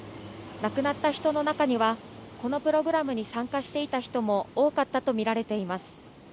亡くなった人の中には、このプログラムに参加していた人も多かったと見られています。